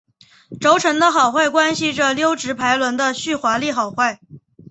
轴承的好坏关系着溜直排轮的续滑力好坏。